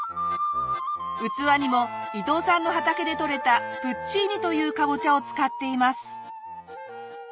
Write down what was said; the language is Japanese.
器にも伊藤さんの畑でとれたプッチィーニというカボチャを使っています。